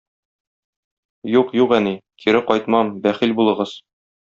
Юк, юк, әни, кире кайтмам, бәхил булыгыз